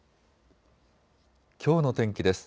きょうの天気です。